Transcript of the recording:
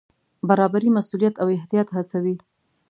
برابري مسوولیت او احتیاط هڅوي.